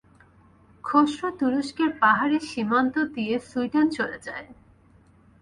খসরু তুরষ্কের পাহাড়ি সীমান্ত দিয়ে সুইডেন চলে যায়।